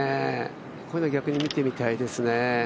こういうの、逆に見てみたいですね。